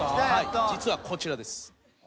実はこちらです。